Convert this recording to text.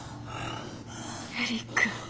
エリック。